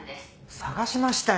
捜しましたよ。